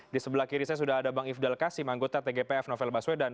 di sebelah kiri saya sudah ada bang ifdal kasim anggota tgpf novel baswedan